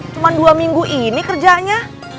cuma dua minggu ini kerjanya